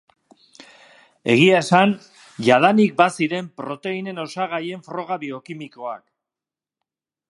Egia esan, jadanik baziren proteinen osagaien froga biokimikoak.